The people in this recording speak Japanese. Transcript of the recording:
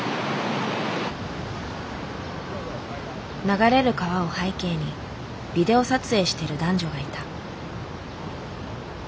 流れる川を背景にビデオ撮影している男女がいた。